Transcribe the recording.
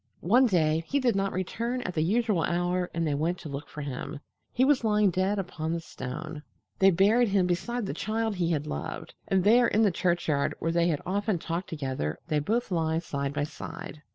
One day he did not return at the usual hour and they went to look for him. He was lying dead upon the stone. They buried him beside the child he had loved, and there in the churchyard where they had often talked together they both lie side by side.